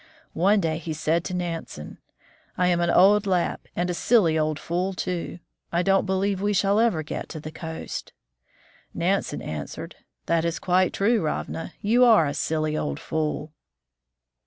One day he said to Nansen :" I am an old Lapp, and a silly old fool, too. I don't believe we shall ever get to the coast." Nansen answered :" That is quite true, Ravna. You are a silly old fool."